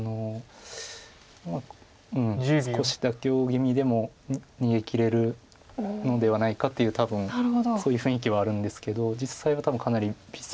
まあ少し妥協ぎみ逃げきれるのではないかっていう多分そういう雰囲気はあるんですけど実際は多分かなり微細で。